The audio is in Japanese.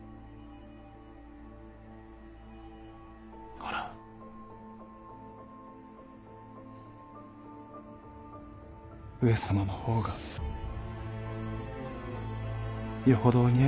ほら上様の方がよほどお似合いにございます。